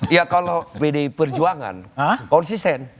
ya kalau pdi perjuangan konsisten